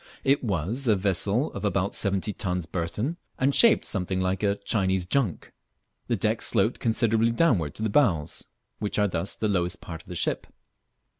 It was a vessel of about seventy tons burthen, and shaped something like a Chinese junk. The deck sloped considerably downward to the bows, which are thus the lowest part of the ship.